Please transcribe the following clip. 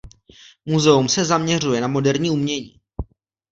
Muzeum se zaměřuje na moderní umění.